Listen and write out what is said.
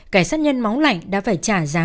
cảy sát nhân máu lạnh đã phải trả giá